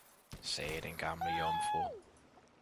sagde den gamle jomfru.